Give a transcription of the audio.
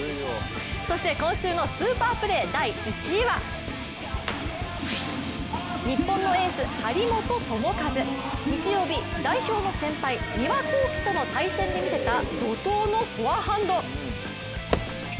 そして今週のスーパープレー第１位は、日本のエース・張本智和。日曜日、代表の先輩丹羽考希との対決でみせた怒とうのフォアハンド。